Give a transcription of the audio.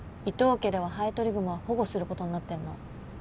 伊藤家ではハエトリグモは保護することになってるの。